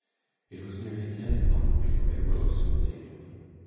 It was nearly ten o'clock before they rose from table.